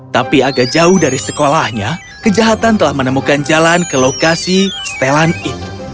tapi agak jauh dari sekolahnya kejahatan telah menemukan jalan ke lokasi setelan itu